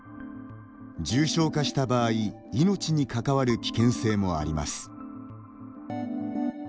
重症化した場合命に関わる危険性もあります。